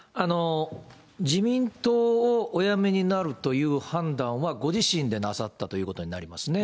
自民党をお辞めになるという判断はご自身でなさったということになりますね。